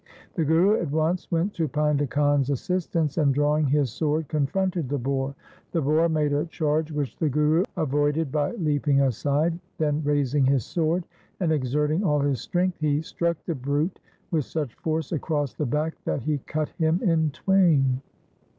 The Guru at once went to Painda Khan's assistance, and drawing his sword confronted the boar. The boar made a charge which the Guru avoided by leaping aside. Then raising his sword and exerting all his strength, he struck the brute with such force across the back, that he cut him in twain.